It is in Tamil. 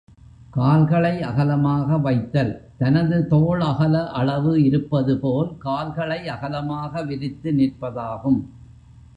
கால்களை அகலமாக வைத்தல் தனது தோள் அகல அளவு இருப்பது போல் கால்களை அகலமாக விரித்து நிற்பதாகும்.